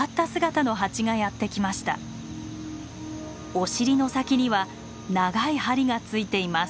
お尻の先には長い針がついています。